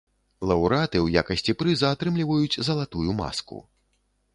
Лаўрэаты ў якасці прыза атрымліваюць залатую маску.